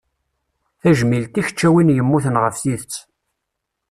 Tajmilt i keč a win yemmuten ɣef tidet.